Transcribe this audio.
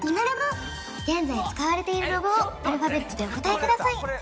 現在使われているロゴをアルファベットでお答えください